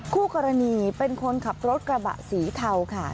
คู่กรณีเป็นคนขับรถกระบะสีเทาค่ะ